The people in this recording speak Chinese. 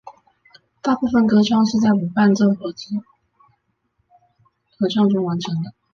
大部分歌唱都是在无伴奏合唱中完成的。